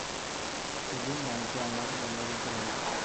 সেদিন নাইতে আমার বেলা দুটো হয়ে গেল।